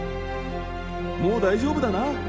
もう大丈夫だな？